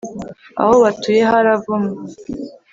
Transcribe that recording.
aho batuye haravumwe